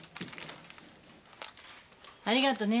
ありがとね。